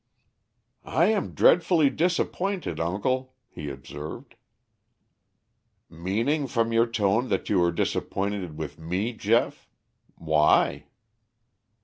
"I am dreadfully disappointed, uncle," he observed. "Meaning from your tone that you are disappointed with me, Geoff. Why?"